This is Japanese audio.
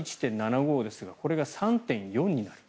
今、１．７５ですがこれが３．４になる。